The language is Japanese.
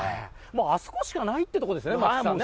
あそこしかないってところですよね。